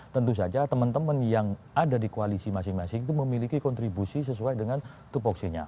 tentu saja teman teman yang ada di koalisi masing masing itu memiliki kontribusi sesuai dengan tupoksinya